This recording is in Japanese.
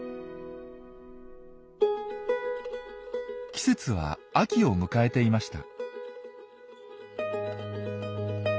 季節は秋を迎えていました。